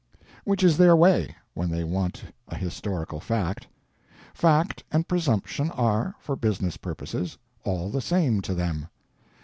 Which is their way, when they want a historical fact. Fact and presumption are, for business purposes, all the same to them.